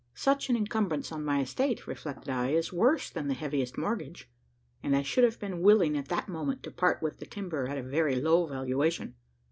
"Such an `encumbrance' on my estate," reflected I, "is worse than the heaviest mortgage;" and I should have been willing at that moment to part with the timber at a very "low valuation."